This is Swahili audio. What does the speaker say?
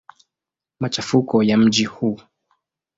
Machafuko ya mji huu.